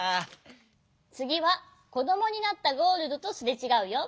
つぎはこどもになったゴールドとすれちがうよ。